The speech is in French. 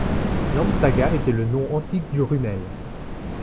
L'Ampsaga était le nom antique du Rhumel.